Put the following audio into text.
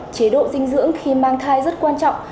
chế độ dinh dưỡng khi mang thai rất quan trọng